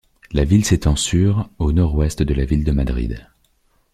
La ville s'étend sur au nord-ouest de la ville de Madrid.